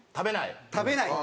食べない。